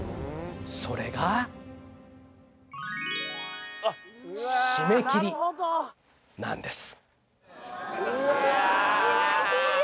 それが締め切りなんです